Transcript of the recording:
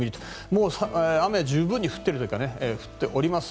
もう雨十分に降っているというか降っております。